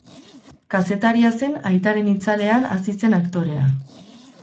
Kazetaria zen aitaren itzalean hazi zen aktorea.